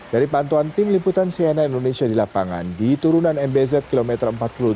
dari pantuan tim liputan cnn indonesia di lapangan di turunan mbz kilometer empat puluh delapan